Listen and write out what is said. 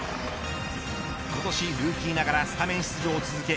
今年ルーキーながらスタメン出場を続け